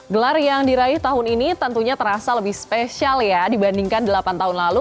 gelar yang diraih tahun ini tentunya terasa lebih spesial ya dibandingkan delapan tahun lalu